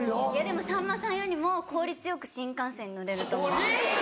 でもさんまさんよりも効率よく新幹線乗れると思います。